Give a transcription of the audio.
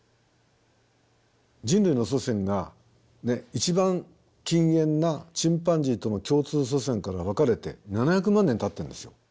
人類の祖先が一番近縁なチンパンジーとの共通祖先から分かれて７００万年たってるんですよ。